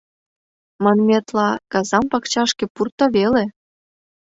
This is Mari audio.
Манметла, казам пакчашке пурто веле.